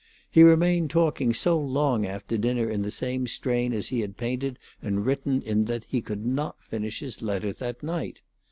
He remained talking so long after dinner in the same strain as he had painted and written in that he could not finish his letter that night.